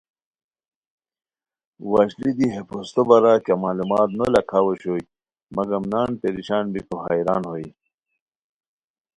وشلی دی ہے پھوستو بارا کیہ معلومات نو لاکھاؤ اوشوئے مگم نان پریشان بیکو حیران ہوئے